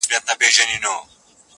• کنې پاته یې له ډلي د سیلانو,